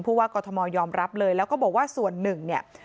ว่ากรทมยอมรับเลยแล้วก็บอกว่าส่วนหนึ่งเนี่ย